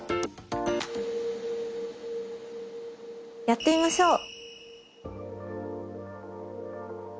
やってみましょう。